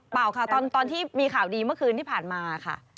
ค่ะตอนที่มีข่าวดีเมื่อคืนที่ผ่านมาค่ะ